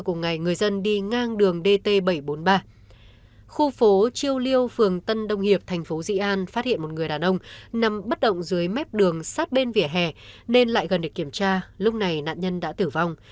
khu dân liêu phường tân đông hiệp thành phố dị an phát hiện một người đàn ông nằm bất động dưới mép đường sát bên vỉa hè nên lại gần để kiểm tra lúc này nạn nhân đã tử vong